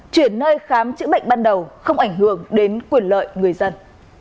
chuyển nơi khám chữa bệnh ban đầu không ảnh hưởng đến quyền lợi người dân